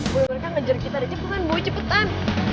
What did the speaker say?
boleh mereka ngejar kita cepetan boy cepetan